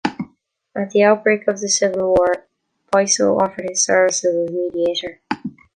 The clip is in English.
At the outbreak of the civil war, Piso offered his services as mediator.